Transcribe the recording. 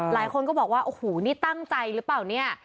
หลายคนก็บอกว่าโอ้โหนี่ตั้งใจหรือเปล่าเนี่ย